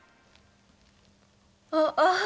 あっああ！